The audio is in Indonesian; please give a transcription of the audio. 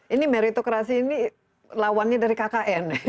ini meritokrasi ini lawannya dari kkn